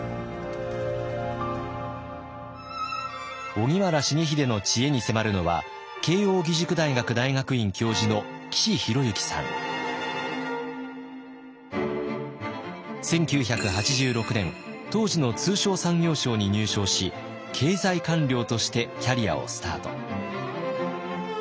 荻原重秀の知恵に迫るのは１９８６年当時の通商産業省に入省し経済官僚としてキャリアをスタート。